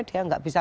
dia tidak bisa